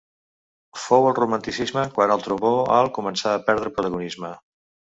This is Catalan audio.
Fou al romanticisme quan el trombó alt començà a perdre protagonisme.